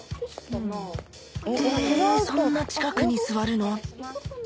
えそんな近くに座るの？